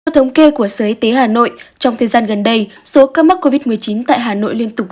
theo thống kê của sở y tế hà nội trong thời gian gần đây số ca mắc covid một mươi chín tại hà nội liên tục